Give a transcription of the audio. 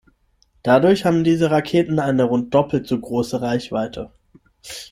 Dadurch haben diese Raketen eine rund doppelt so große Reichweite.